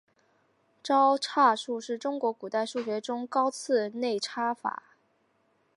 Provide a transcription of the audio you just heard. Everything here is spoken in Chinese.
招差术是中国古代数学中的高次内插法。